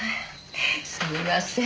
すみません。